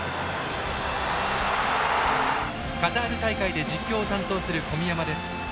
カタール大会で実況を担当する小宮山です。